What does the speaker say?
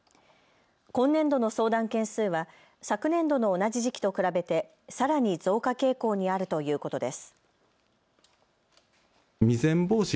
今年度の相談件数は昨年度の同じ時期と比べてさらに増加傾向にあるということです。